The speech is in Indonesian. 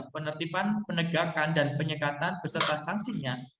penertiban dan penegakan penyekatan beserta stansinya